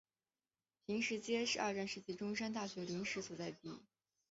坪石街是二战时期中山大学临时所在地。